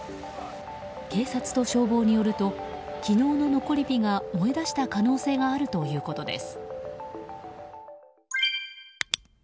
警察と消防によると昨日の残り火が燃え出した可能性があるということです。